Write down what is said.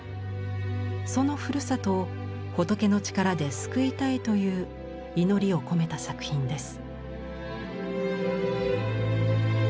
そのふるさとを仏の力で救いたいという祈りを込めた作品です。